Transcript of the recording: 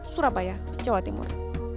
surabaya jawa timur